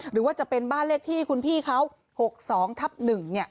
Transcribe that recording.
หรือว่าจะเป็นบ้านแรกที่คุณพี่เขา๖๒๑เนี่ย